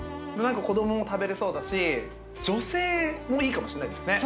子供も食べれそうだし女性もいいかもしんないですね。